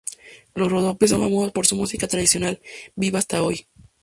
Los Ródope son famosos por su música tradicional, viva hasta hoy.